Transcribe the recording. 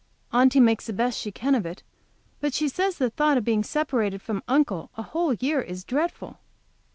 Aunty makes the best she can of it, but she says the thought of being separated from Uncle a whole year is dreadful.